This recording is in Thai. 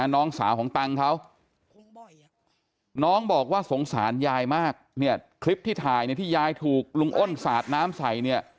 น้องสาวของตังค์เขาน้องบอกว่าสงสารยายมากเนี่ยคลิปที่ถ่ายเนี่ยที่ยายถูกลุงอ้นสาดน้ำใส่เนี่ย